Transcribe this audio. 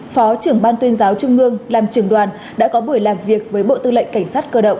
phó trưởng ban tuyên giáo trung ương làm trưởng đoàn đã có buổi làm việc với bộ tư lệnh cảnh sát cơ động